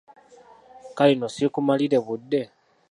Kale nno siikumalire budde.